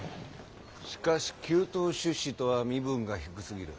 しかし９等出仕とは身分が低すぎる。